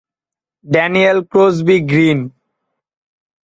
Daniel Crosby green.